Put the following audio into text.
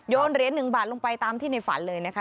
เหรียญ๑บาทลงไปตามที่ในฝันเลยนะคะ